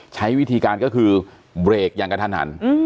ใช้วิธีการก็คือเบรกอย่างกระทันหัน